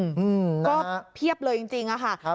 อืมก็เพียบเลยจริงอะค่ะ